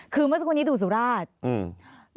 คือเมื่อสักครู่นี้ดูสุราชอืม